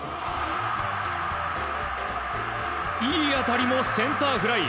いい当たりもセンターフライ。